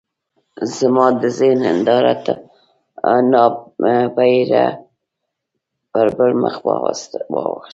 زما د ذهن هنداره ناببره پر بل مخ واوښته.